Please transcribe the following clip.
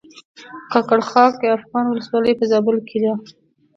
کاکړ خاک افغان ولسوالۍ په زابل کښې ده